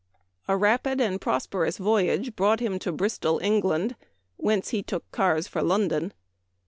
A rapid and prosperous voyage brought him to Bristol, Eng., whence he took cars for London.